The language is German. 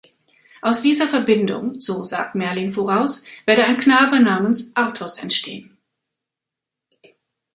Aus dieser Verbindung, so sagt Merlin voraus, werde ein Knabe namens Artus entstehen.